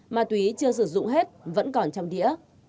ma túy chưa sử dụng hết vẫn còn trong đĩa